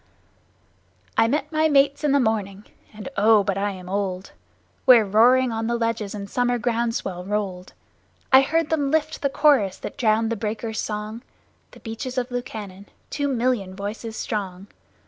I met my mates in the morning (and, oh, but I am old!) Where roaring on the ledges the summer ground swell rolled; I heard them lift the chorus that drowned the breakers' song The Beaches of Lukannon two million voices strong.